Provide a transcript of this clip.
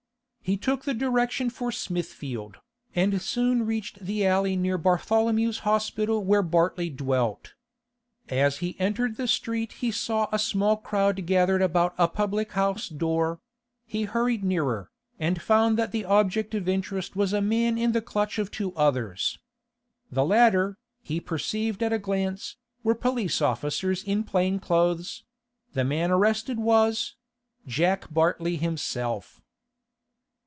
He took the direction for Smithfield, and soon reached the alley near Bartholomew's Hospital where Bartley dwelt. As he entered the street he saw a small crowd gathered about a public house door; he hurried nearer, and found that the object of interest was a man in the clutch of two others. The latter, he perceived at a glance, were police officers in plain clothes; the man arrested was—Jack Bartley himself.